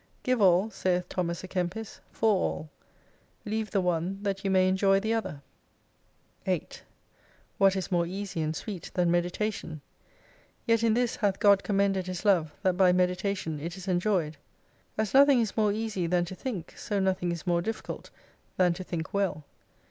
Give all (saith Thomas k Kempis) for all. Leave the one that you may enjoy the other. C What is more easy and sweet than meditation ? Yet in this hath God commended His Love, that hy meditation it is enjoyed. As nothing is more easy than to think, so nothing is more difficult than to think well.